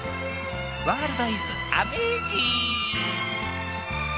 ワールドイズアメージング！